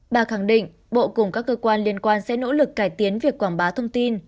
bà khẳng định bộ cùng các cơ quan liên quan sẽ nỗ lực cải tiến việc quảng bá thông tin